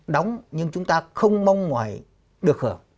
đóng nhưng chúng ta không mong ngoài được hưởng